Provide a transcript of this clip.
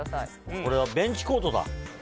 これはベンチコートだ。